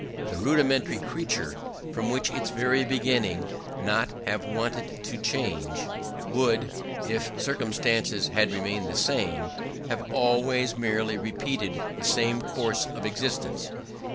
The rudimentary creature would from its very beginning not have wanted to change, would, if circumstances had remained the same, have always merely repeated the same course of existence....